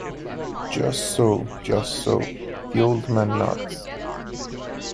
"Just so, just so," the old man nods.